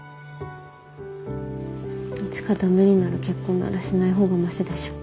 いつかダメになる結婚ならしないほうがマシでしょ。